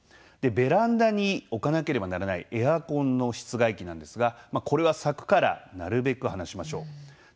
ベランダに置かなければならないエアコンの室外機なんですがこれは柵からなるべく離しましょう。